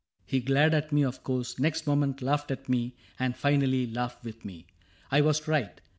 He glared At me, of course, — next moment laughed at me. And finally laughed with me. I was right.